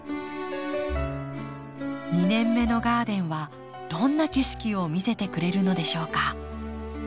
２年目のガーデンはどんな景色を見せてくれるのでしょうか？